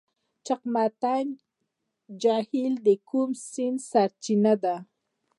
چقمقتین جهیل د کوم سیند سرچینه ده؟